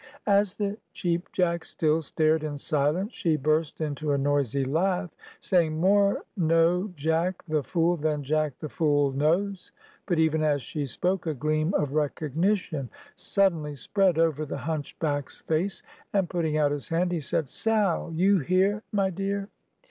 As the Cheap Jack still stared in silence, she burst into a noisy laugh, saying, "More know Jack the Fool than Jack the Fool knows." But, even as she spoke, a gleam of recognition suddenly spread over the hunchback's face, and, putting out his hand, he said, "Sal! you here, my dear?"